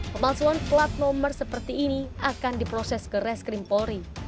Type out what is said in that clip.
pemalsuan plat nomor seperti ini akan diproses ke reskrim polri